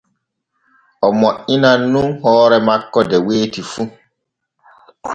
O moƴƴinan nun hoore makko de weeti fu.